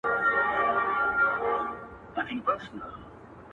زور د زورور پاچا ـ ماته پر سجده پرېووت ـ